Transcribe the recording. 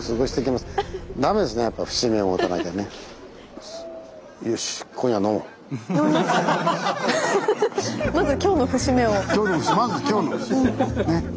まず今日の節目ね。